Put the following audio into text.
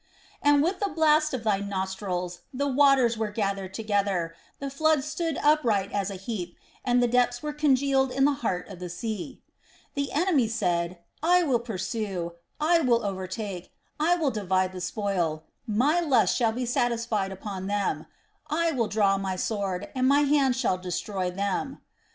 "And with the blast of thy nostrils the waters were gathered together, the floods stood upright as an heap, and the depths were congealed in the heart of the sea. "The enemy said, I will pursue, I will overtake, I will divide the spoil; my lust shall be satisfied upon them; I will draw my sword, my hand shall destroy them.